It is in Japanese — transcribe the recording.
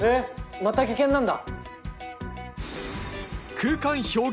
また技研なんだ。